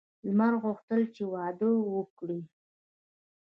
لمر غوښتل چې واده وکړي.